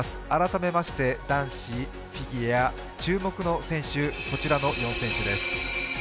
改めまして男子フィギュア注目の選手、こちらの４選手です。